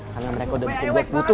karena mereka udah butuh gue putus